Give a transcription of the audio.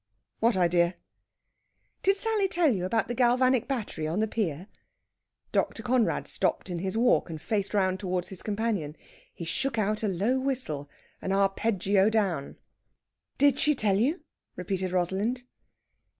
"What idea?" "Did Sally tell you about the galvanic battery on the pier?" Dr. Conrad stopped in his walk, and faced round towards his companion. He shook out a low whistle an arpeggio down. "Did she tell you?" repeated Rosalind.